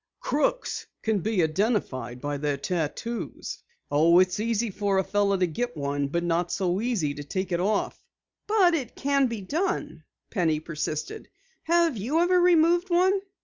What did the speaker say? "Crooks can be identified by their tattoos. Oh, it's easy for a fellow to get one on, but not so easy to get it off." "But it can be done?" Penny persisted. "Have you ever removed one?"